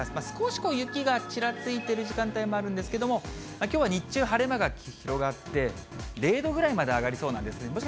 少し雪がちらついている時間帯もあるんですけれども、きょうは日中、晴れ間が広がって、０度ぐらいまで上がりそうなんですね。